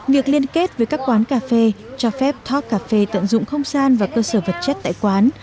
việc liên kết với các quán cà phê cho phép talkcafe tận dụng không gian và cơ sở vật chất tại quán